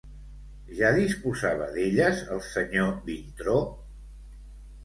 Ja disposava d'elles el senyor Vintró?